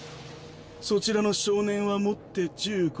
そちらの少年はもって１５分。